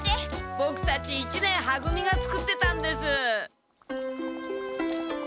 ボクたち一年は組が作ってたんです。